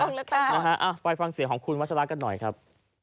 ต้องเลือกตั้งอ่าไปฟังเสียของคุณวัชลาศกันหน่อยครับ